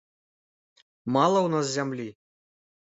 Мала ў нас зямлі.